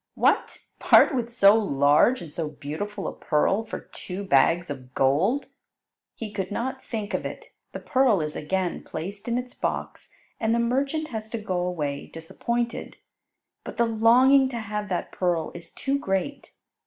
"What! part with so large and so beautiful a pearl for two bags of gold?" He could not think of it. The pearl is again placed in its box, and the merchant has to go away disappointed. But the longing to have that pearl is too great.